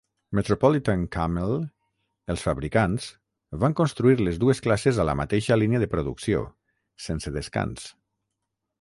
Metropolitan-Cammell, els fabricants, van construir les dues classes a la mateixa línia de producció, sense descans.